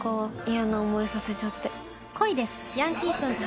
嫌な思いさせちゃって。